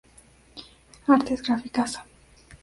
Artes Gráficas.